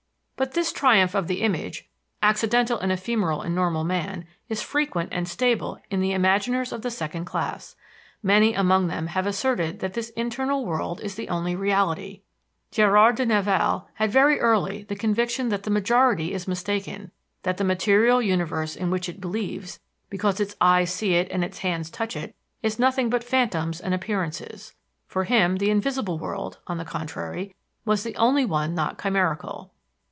But this triumph of the image, accidental and ephemeral in normal man, is frequent and stable in the imaginers of the second class. Many among them have asserted that this internal world is the only reality. Gérard de Nerval "had very early the conviction that the majority is mistaken, that the material universe in which it believes, because its eyes see it and its hands touch it, is nothing but phantoms and appearances. For him the invisible world, on the contrary, was the only one not chimerical."